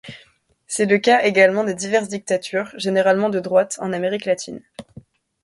C'est le cas également de diverses dictatures, généralement de droite, en Amérique latine.